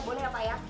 boleh nggak pak ya